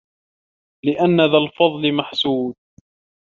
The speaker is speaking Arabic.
لِأَنَّ ذَا الْفَضْلِ مَحْسُودٌ